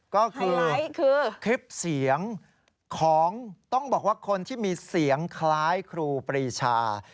ก็คือคลิปเสียงของต้องบอกว่าคนที่มีเสียงคล้ายครูปรีชา